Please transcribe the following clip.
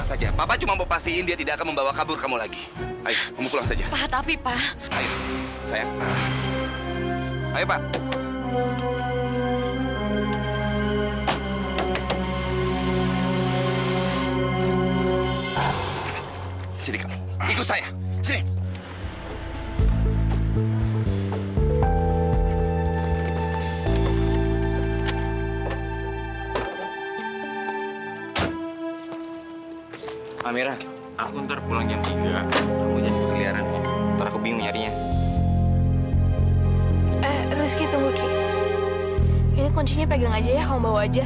sampai jumpa di video selanjutnya